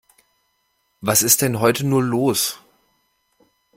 Was ist denn heute nur los?